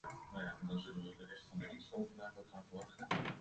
Selsstannigen hawwe folle faker in leech ynkommen as de oare aktiven.